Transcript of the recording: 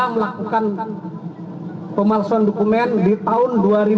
melakukan pemalsuan dokumen di tahun dua ribu dua puluh